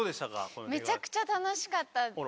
めちゃくちゃ楽しかったですし